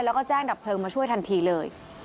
แล้วก็แจ้งดับเพลิงมาช่วยทันทีเลย